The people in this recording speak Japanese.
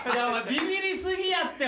ビビりすぎやって。